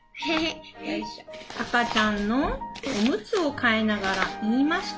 「あかちゃんのおむつをかえながらいいました。